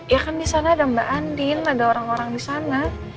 ya kan di sana ada mbak andin ada orang orang di sana